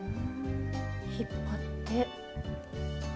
引っ張って。